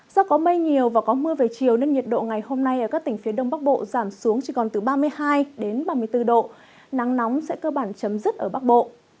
do có mây nhiều và có mưa về chiều nên nhiệt độ ngày hôm nay ở các tỉnh phía đông bắc bộ giảm xuống chỉ còn từ ba mươi hai ba mươi bốn độ nắng nóng sẽ cơ bản chấm dứt ở bắc bộ